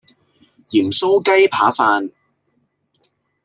鹽酥雞扒飯